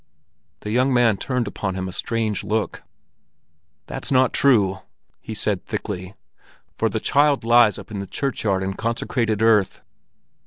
The young man turned upon him a strange look. "That's not true!" he said thickly; "for the child lies up in the churchyard in consecrated earth."